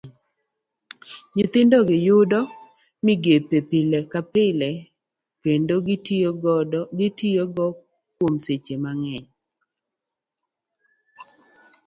Nyithindogi yudo migepego pile ka pile, kendo gitiyo kodgi kuom seche mang'eny.